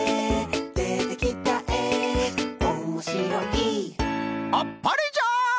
「でてきたえおもしろい」あっぱれじゃ！